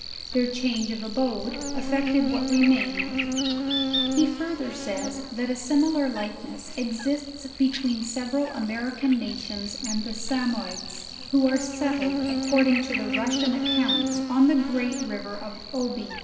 Their change of abode effected .what remained. He further says, that a similar likeness exists between several American nations and Samoa ides, who are settled, according to the Russian ac counts, on the great river Oby.